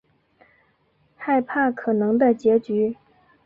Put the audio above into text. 害怕可能的结局